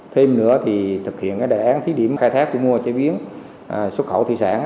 thêm nữa thì thực hiện đề án thí điểm khai thác thu mua chế biến xuất khẩu thủy sản